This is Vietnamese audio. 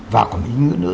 và có một ý nghĩa nữa